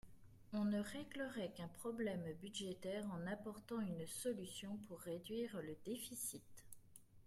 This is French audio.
On ne réglerait qu’un problème budgétaire en apportant une solution pour réduire le déficit.